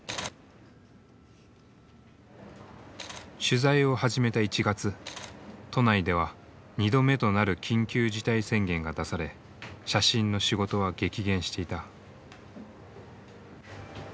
取材を始めた１月都内では２度目となる緊急事態宣言が出され写真の仕事は激減していた。